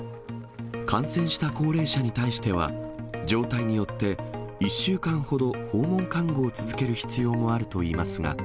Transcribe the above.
感染した高齢者に対しては、状態によって１週間ほど訪問看護を続ける必要もあるといいますが。